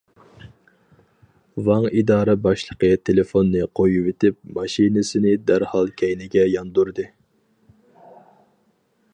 ۋاڭ ئىدارە باشلىقى تېلېفوننى قويۇۋېتىپ ماشىنىسىنى دەرھال كەينىگە ياندۇردى.